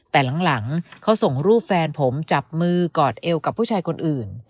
แต่หลังเขาส่งรูปแฟนผมจับมือกอดเอวกับผู้ชายคนอื่น